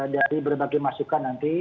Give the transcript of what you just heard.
dari berbagai masukan nanti